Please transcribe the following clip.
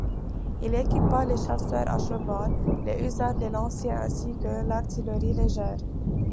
Il équipa les chasseurs à cheval, les hussards, les lanciers, ainsi que l'artillerie légère.